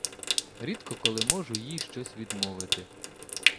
Рідко коли можу їй щось відмовити.